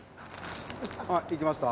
あっいきました？